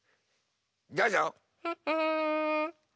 どうぞ。